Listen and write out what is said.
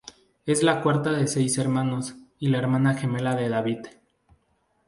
Es la cuarta de seis hermanos, y la hermana gemela de David.